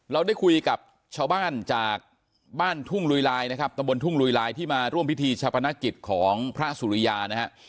เราได้คุยกับชาวบ้านจากบ้านทุ่งลุยลายนะครับตะบนทุ่งลุยลายที่มาร่วมพิธีชาปนกิจของพระสุริยานะฮะ